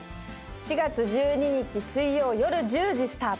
４月１２日水曜夜１０時スタート。